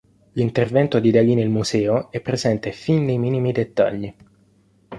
L'intervento di Dalí nel museo è presente fin nei minimi dettagli.